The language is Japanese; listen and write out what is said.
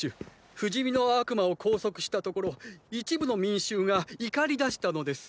不死身の悪魔を拘束したところ一部の民衆が怒りだしたのです。